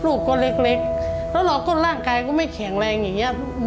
ลูกก็เล็กแล้วเราก็ร่างกายก็ไม่แข็งแรงอย่างนี้